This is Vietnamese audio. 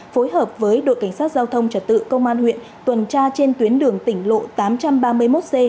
phối hợp với đội cảnh sát giao thông trật tự công an huyện tuần tra trên tuyến đường tỉnh lộ tám trăm ba mươi một c